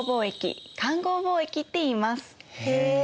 へえ！